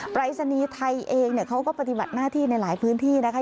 ปรายศนีย์ไทยเองเขาก็ปฏิบัติหน้าที่ในหลายพื้นที่นะคะ